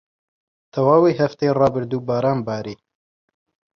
تەواوی هەفتەی ڕابردوو باران باری.